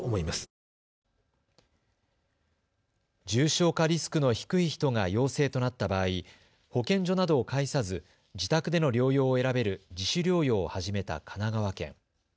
重症化リスクの低い人が陽性となった場合、保健所などを介さず自宅での療養を選べる自主療養を始めた神奈川県。